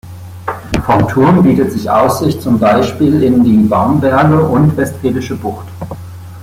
Vom Turm bietet sich Aussicht zum Beispiel in die Baumberge und Westfälische Bucht.